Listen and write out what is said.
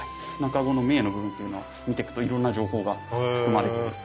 茎の銘の部分というのは見てくといろんな情報が含まれている。